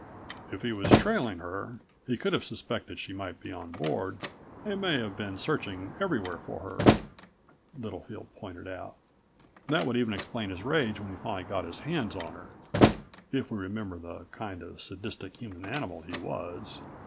"If he was trailing her he could have suspected she might be on board and may have been searching everywhere for her," Littlefield pointed out. "That would even explain his rage when he finally got his hands on her, if we remember the kind of sadistic human animal he was.